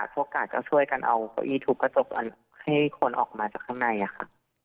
โอกาสก็ช่วยกันเอาเก้าอี้ทุบกระจกให้คนออกมาจากข้างในค่ะ